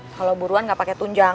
kalau buruan nggak pakai tunjang